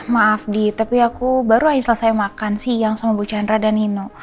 maaf di tapi aku baru aja selesai makan siang sama bu chandra dan nino